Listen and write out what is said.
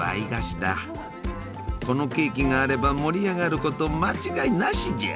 このケーキがあれば盛り上がること間違いなしじゃ！